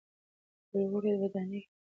په لوړو ودانیو کې خلک یوازې سول.